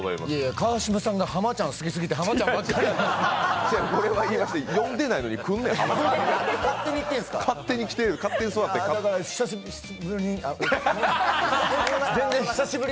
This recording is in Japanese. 川島さんが濱ちゃん好きすぎて濱ちゃんばっかり。